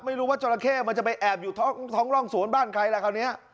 ไม่รู้ว่าจราเข้มันจะไปแอบอยู่ท้องร่องสวนบ้านใครล่ะคราวนี้